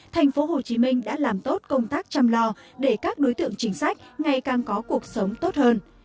tp hcm đã làm tốt công tác chăm lo để các đối tượng chính sách ngày càng có cuộc sống tốt hơn